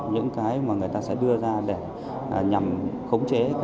những cái mà người ta sẽ đưa ra để nhằm khống chế